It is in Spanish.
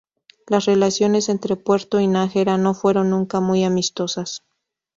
Las relaciones entre Puerto y Nájera no fueron nunca muy amistosas.